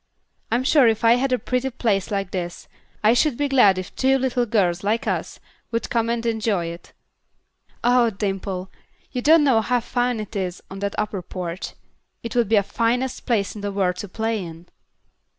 I'm sure if I had a pretty place like this, I should be glad if two little girls, like us, could come and enjoy it. Ah, Dimple, you don't know how fine it is on that upper porch. It would be the finest place in the world to play in."